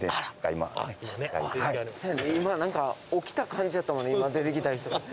今何か起きた感じやったもんね今出てきた人。